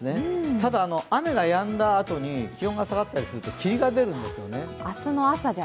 ただ、雨がやんだあとに気温が下がったりすると霧が出るんですね。